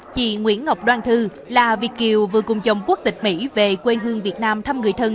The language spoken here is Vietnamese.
chị nguyễn ngọc đoan thư là việt kiều vừa cùng chồng quốc tịch mỹ về quê hương việt nam thăm người thân